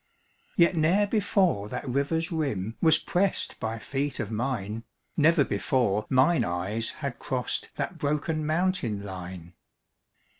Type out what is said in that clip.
Yet ne'er before that river's rim Was pressed by feet of mine, Never before mine eyes had crossed That broken mountain line.